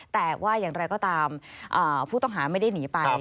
แต่ว่าอย่างไรก็ตามผู้ต้องหาไม่ได้หนีไป